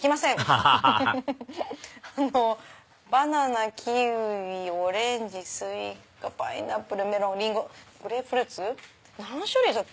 アハハハバナナキウイオレンジスイカパイナップルメロンリンゴグレープフルーツ何種類だ？